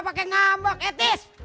pakai ngambek eh tis